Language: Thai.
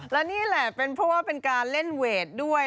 และนี่แหละเป็นเพราะว่าเป็นการเล่นเวทด้วย